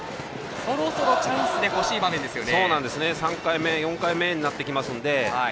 そろそろチャンスで欲しい場面ですよね。